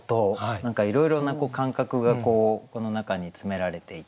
何かいろいろな感覚がこの中に詰められていて。